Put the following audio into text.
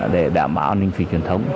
để đảm bảo an ninh phí truyền thống